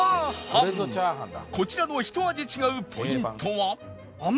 こちらのひと味違うポイントは